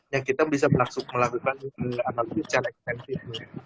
yang kita bisa langsung melakukan analisis secara eksensif